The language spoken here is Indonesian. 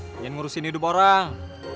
jangan ngurusin hidup orang